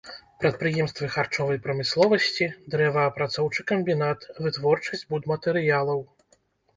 Прадпрыемствы харчовай прамысловасці, дрэваапрацоўчы камбінат, вытворчасць будматэрыялаў.